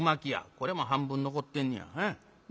これも半分残ってんねや。